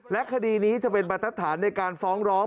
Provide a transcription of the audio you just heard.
และคดีนี้จะเป็นบรรทัศนในการฟ้องร้อง